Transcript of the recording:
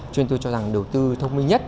cho nên tôi cho rằng đầu tư thông minh nhất